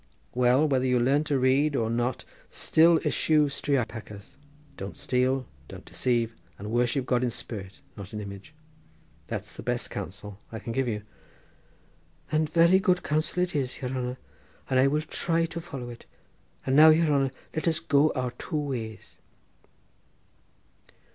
Well, whether you learn to read or not still eschew striopachas, don't steal, don't deceive, and worship God in spirit, not in image. That's the best counsel I can give you." "And very good counsel it is, yere hanner, and I will try to follow it, and now, yere hanner, let us go our two ways."